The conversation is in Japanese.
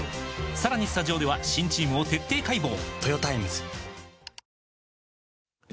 さらにスタジオでは新チームを徹底解剖！